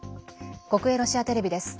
国営ロシアテレビです。